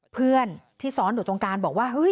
เพื่อนที่ซ้อนดับตรงกาลบอกว่า